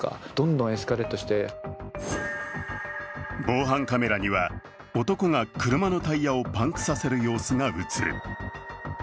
防犯カメラには男が車のタイヤをパンクさせる様子が映る。